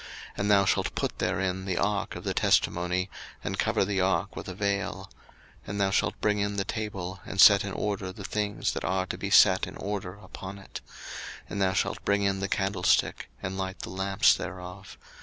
02:040:003 And thou shalt put therein the ark of the testimony, and cover the ark with the vail. 02:040:004 And thou shalt bring in the table, and set in order the things that are to be set in order upon it; and thou shalt bring in the candlestick, and light the lamps thereof.